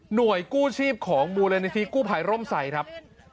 หน่วยกู้ชีพของบูเรนิธิกู้ภัยร่มไสครับ